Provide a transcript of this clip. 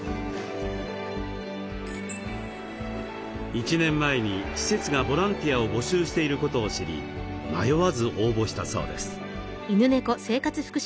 １年前に施設がボランティアを募集していることを知り迷わず応募したそうです。